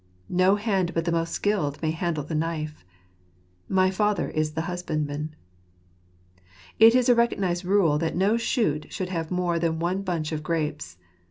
No hand but the most skilled may handle the knife. " My Father is the husbandman." It is a recognized rule that no shoot should have more than one bunch of grapes.